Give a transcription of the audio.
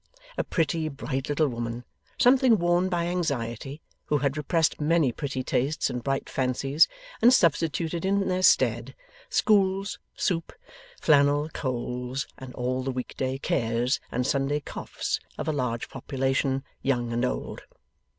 A pretty, bright little woman, something worn by anxiety, who had repressed many pretty tastes and bright fancies, and substituted in their stead, schools, soup, flannel, coals, and all the week day cares and Sunday coughs of a large population, young and old.